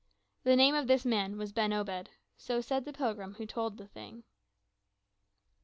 The name of this man was Ben Obed, so said the pilgrim who told the thing.